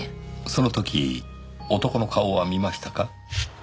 その時男の顔は見ましたか？